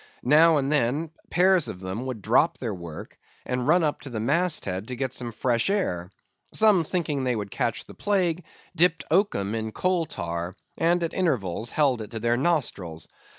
Now and then pairs of them would drop their work, and run up to the mast head to get some fresh air. Some thinking they would catch the plague, dipped oakum in coal tar, and at intervals held it to their nostrils.